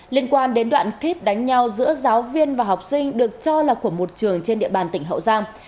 liên quan đến đoạn clip đánh nhau giữa giáo viên và học sinh được cho là của một trường trên địa bàn tỉnh hậu giang